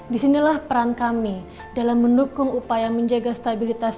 disinilah peran kami dalam mendukung upaya menjaga stabilitas